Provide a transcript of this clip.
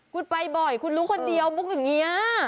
คุณไปบ่อยคุณรู้คนเดียวมุกอย่างนี้